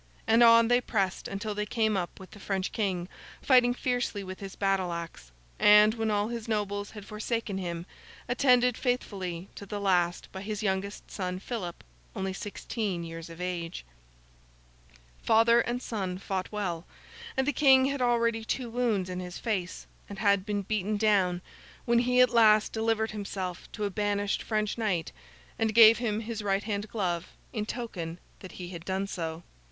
and on they pressed until they came up with the French King, fighting fiercely with his battle axe, and, when all his nobles had forsaken him, attended faithfully to the last by his youngest son Philip, only sixteen years of age. Father and son fought well, and the King had already two wounds in his face, and had been beaten down, when he at last delivered himself to a banished French knight, and gave him his right hand glove in token that he had done so.